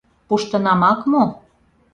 — Пуштынамак мо?